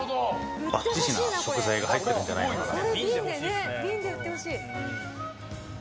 ばっちしな食材が入ってるんじゃないかなと。